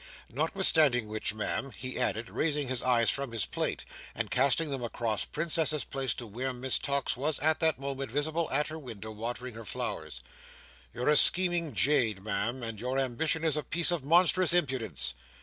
Notwithstanding which, Ma'am," he added, raising his eyes from his plate, and casting them across Princess's Place, to where Miss Tox was at that moment visible at her window watering her flowers, "you're a scheming jade, Ma'am, and your ambition is a piece of monstrous impudence.